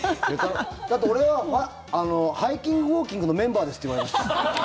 だって俺はハイキングウォーキングのメンバーですって言われました。